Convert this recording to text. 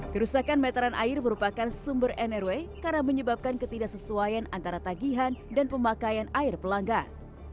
kerusakan meteran air merupakan sumber nrw karena menyebabkan ketidaksesuaian antara tagihan dan pemakaian air pelanggan